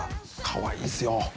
かわいいですよ